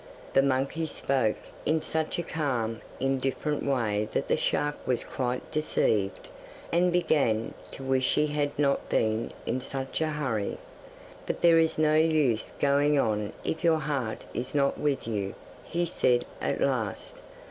The monkey spoke in such a calm, indifferent way that the shark was quite deceived, and began to wish he had not been in such a hurry. 'But there is no use going on if your heart is not with you,' he said at last.